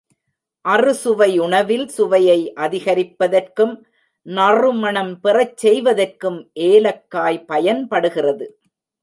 அறுசுவை உணவில் சுவையை அதிகரிப்பதற்கும், நறுமணம் பெறச் செய்வதற்கும் ஏலக்காய் பயன்படுகிறது.